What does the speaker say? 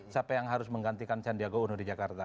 siapa yang harus menggantikan sandiaga uno di jakarta